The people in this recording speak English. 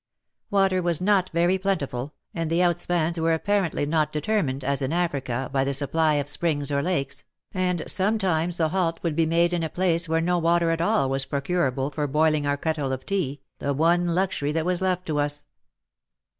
Water was not very plentiful, and the out spans were apparently not determined, as in Africa, by the supply of springs or lakes, and sometimes the halt would be made in a place where no water at all was procurable for boiling our kettle for tea, the one luxury that was left to us.